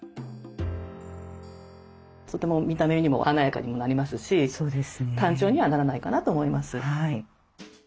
とても見た目にも華やかにもなりますし単調にはならないかなと思います。